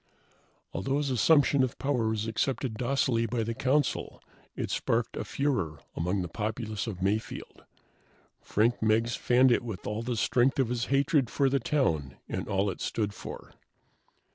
Although his assumption of power was accepted docilely by the Council, it sparked a furor among the populace of Mayfield. Frank Meggs fanned it with all the strength of his hatred for the town and all it stood for.